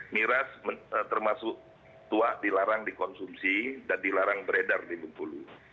miras termasuk tua dilarang dikonsumsi dan dilarang beredar di bengkulu